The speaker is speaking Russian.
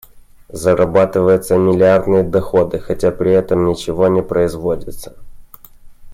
Зарабатываются миллиардные доходы, хотя при этом ничего не производится.